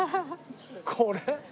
これ？